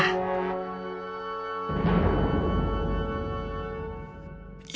sang raja muda